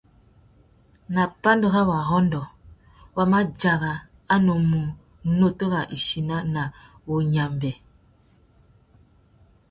Nà pandúrâwurrôndô, wa mà dzara a nnômú nutu râ ichina na wunyámbê.